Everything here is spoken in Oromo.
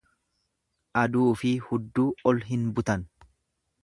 Aduufi hudduu ol hin butan.